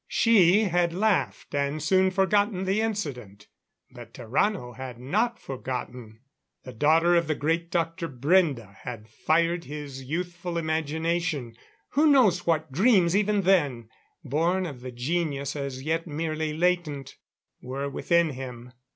She had laughed, and soon forgot the incident. But Tarrano had not forgotten. The daughter of the great Dr. Brende had fired his youthful imagination. Who knows what dreams even then born of the genius as yet merely latent were within him?